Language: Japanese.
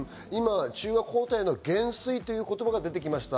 中和抗体の減衰という言葉が出てきました。